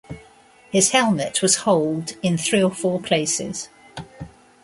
His helmet was holed in three or four places.